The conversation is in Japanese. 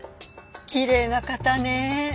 きれいな方ね。